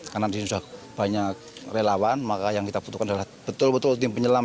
karena disini sudah banyak relawan maka yang kita butuhkan adalah betul betul tim penyelam